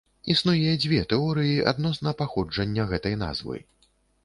Існуе дзве тэорыі адносна паходжання гэтай назвы.